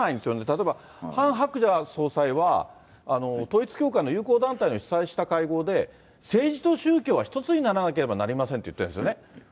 例えばハン・ハクチャ総裁は、統一教会の友好団体の主催した会合で、政治と宗教は一つにならなければなりませんって言ってるんですよね。